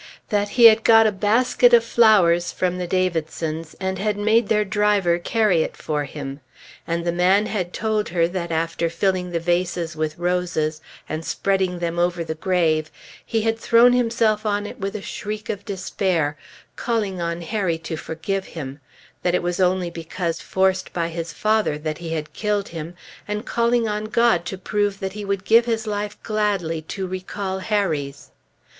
That he had got a basket of flowers from the Davidsons, and had made their driver carry it for him. And the man had told her that, after filling the vases with roses, and spreading them over the grave, he had thrown himself on it with a shriek of despair, calling on Harry to forgive him; that it was only because forced by his father that he had killed him; and calling on God to prove that he would give his life gladly to recall Harry's.